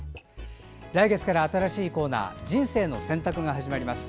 来月から新しいコーナー「人生の選択」が始まります。